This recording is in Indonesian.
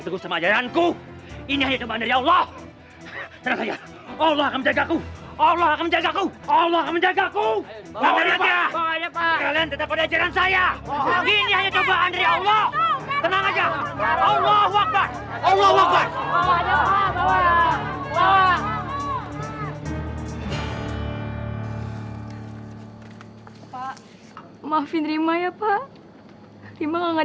dengan minta maaf kang